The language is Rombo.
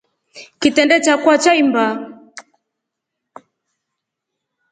Kitrende chakwa chaimba.